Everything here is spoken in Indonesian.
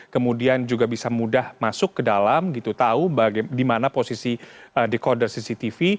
kemudian juga bisa mudah masuk ke dalam gitu tahu di mana posisi dekoder cctv